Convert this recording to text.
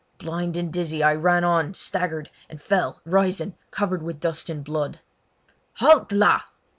Blind and dizzy, I ran on, staggered, and fell, rising, covered with dust and blood. "Halt la!"